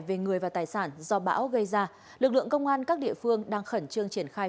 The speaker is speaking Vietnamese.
về người và tài sản do bão gây ra lực lượng công an các địa phương đang khẩn trương triển khai